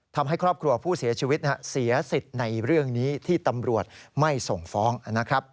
ทำให้ครอบครัวผู้เสียชีวิตเสียสิทธิ์ในเรื่องนี้ที่ตำรวจไม่ส่งฟ้องนะครับ